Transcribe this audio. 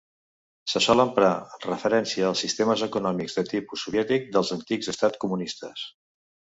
Se sol emprar en referència als sistemes econòmics de tipus soviètic dels antics estats comunistes.